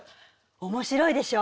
面白いでしょ。